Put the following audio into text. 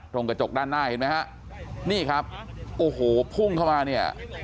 กระจกด้านหน้าเห็นไหมฮะนี่ครับโอ้โหพุ่งเข้ามาเนี่ย